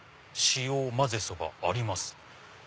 使用まぜそばあります。